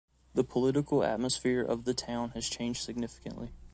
The political atmosphere of the town has changed significantly.